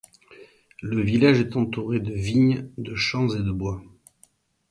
Le village est entouré de vignes, de champs et de bois.